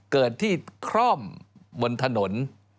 เกิดที่คร่อมบนถนน